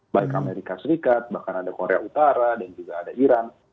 baik amerika serikat bahkan ada korea utara dan juga ada iran